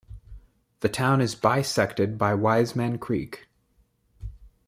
The town is bisected by Wiseman Creek.